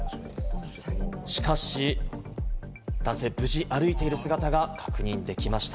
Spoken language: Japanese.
しかし、男性、無事歩いている姿が確認できました。